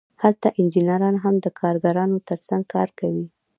هلته انجینران هم د کارګرانو ترڅنګ کار کوي